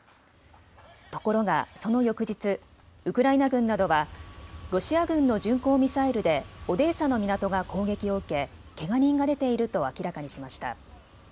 ところがその翌日、ウクライナ軍などはロシア軍の巡航ミサイルでオデーサの港が攻撃を受けけが人が出ていると明らかにしました。